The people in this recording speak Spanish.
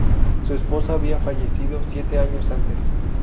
Su esposa había fallecido siete años antes.